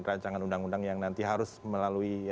rancangan undang undang yang nanti harus melalui